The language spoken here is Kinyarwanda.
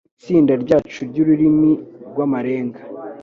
Itsinda ryacu ry'ururimi rw'amarenga